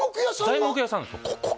材木屋さんです